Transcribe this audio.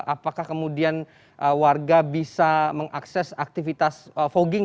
apakah kemudian warga bisa mengakses aktivitas fogging